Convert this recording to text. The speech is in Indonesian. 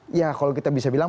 menjadi ya kalau kita bisa bilang